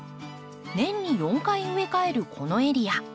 年に４回植え替えるこのエリア。